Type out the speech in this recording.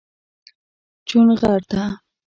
چونغرته